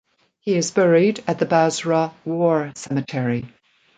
He is buried at the Basra War Cemetery.